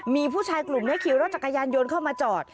มีผู้ชายกลุ่มในคิวรถจักรยานโยนเข้ามาจอด